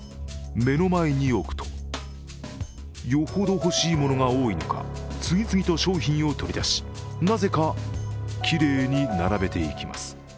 目の前に置くと、よほど欲しいものが多いのか次々と商品を取り出しなぜかきれいに並べていきます。